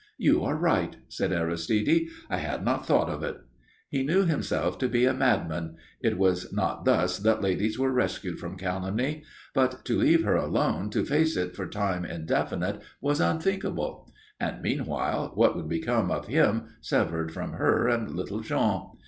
"You are right," said Aristide. "I had not thought of it." He knew himself to be a madman. It was not thus that ladies were rescued from calumny. But to leave her alone to face it for time indefinite was unthinkable. And, meanwhile, what would become of him severed from her and little Jean?